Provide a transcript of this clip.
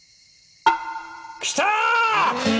来た！